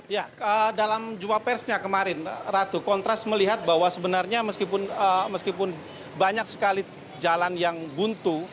ya dalam jubah persnya kemarin ratu kontras melihat bahwa sebenarnya meskipun banyak sekali jalan yang buntu